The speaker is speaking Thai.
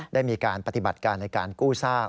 ได้มีการปฏิบัติการในการกู้ซาก